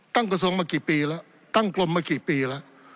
ตั้งกระทรวงมากี่ปีละตั้งกรรมมากี่ปีละ